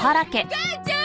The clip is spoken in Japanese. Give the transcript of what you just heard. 母ちゃん！